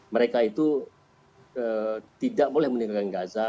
mereka itu tidak boleh meninggalkan gaza